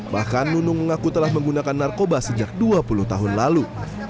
bahkan nunung mengaku telah menggunakan narkoba sejak dua puluh tahun lalu